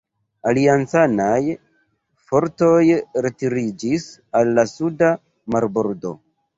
Aliancanaj fortoj retiriĝis al la suda marbordo.